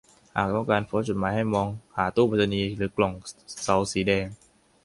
หากต้องการโพสต์จดหมายให้มองหาตู้ไปรษณีย์หรือกล่องเสาสีแดง